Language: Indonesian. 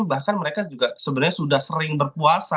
bahkan mereka juga sebenarnya sudah sering berpuasa